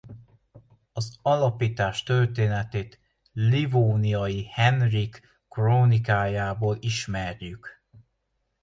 Az alapítás történetét Livóniai Henrik krónikájából ismerjük.